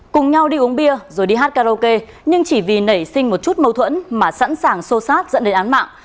cùng nhau đi uống bia rồi đi hát karaoke nhưng chỉ vì nảy sinh một chút mâu thuẫn mà sẵn sàng xô xát dẫn đến án mạng